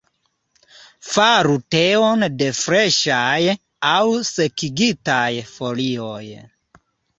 Faru teon de freŝaj aŭ sekigitaj folioj.